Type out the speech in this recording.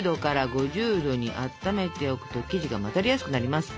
℃にあっためておくと生地が混ざりやすくなります。